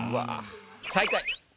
最下位。